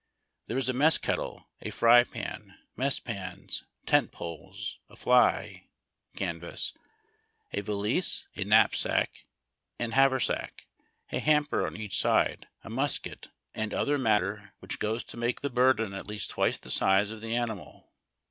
There is a mess kettle, a fry pan, mess pans, tent poles, a fly (canvas), a valise, a knapsack and haversack, a hamper on each side, a musket, and other mat ter which goes to make the burden at least twice the size of the animal.